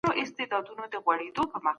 فابریکې څنګه د چاپیریال ساتنه کوي؟